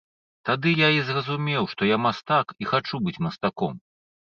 Тады я і зразумеў, што я мастак і хачу быць мастаком.